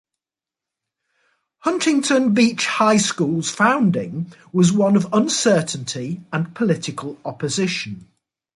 Huntington Beach High School's founding was one of uncertainty and political opposition.